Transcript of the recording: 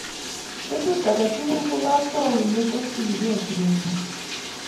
Tiemut age tugul ko kakwout ne takchinikei serengung